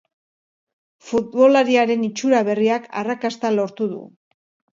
Futbolariaren itxura berriak arrakasta lortu du.